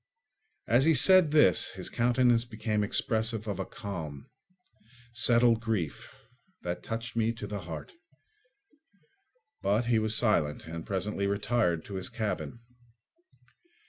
As he said this his countenance became expressive of a calm, settled grief that touched me to the heart. But he was silent and presently retired to his cabin.